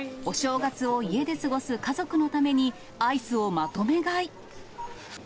お正月を家で過ごす家族のために、アイスをまとめ買い。